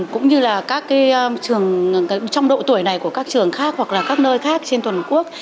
cũng như là các trường trong độ tuổi này của các trường khác hoặc là các nơi khác trên toàn quốc